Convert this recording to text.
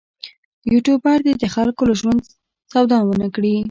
یوټوبر دې د خلکو له ژوند سودا ونه کړي.